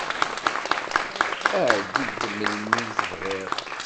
Ɛeddi-d melmi i tebɣiḍ.